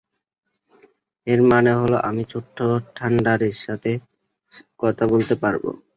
এর মানে হলো আমি ছোট্ট থান্ডারের সাথে কথা বলতে পারব।